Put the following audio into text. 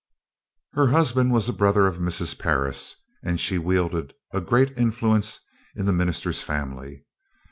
Her husband was a brother of Mrs. Parris, and she wielded a great influence in the minister's family.